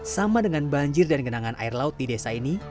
sama dengan banjir dan genangan air laut di desa ini